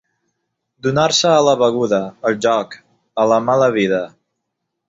Donar-se a la beguda, al joc, a la mala vida.